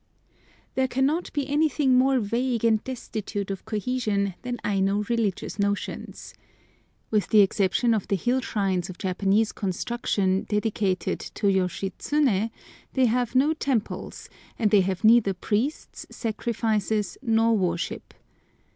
THERE cannot be anything more vague and destitute of cohesion than Aino religious notions. With the exception of the hill shrines of Japanese construction dedicated to Yoshitsuné, they have no temples, and they have neither priests, sacrifices, nor worship.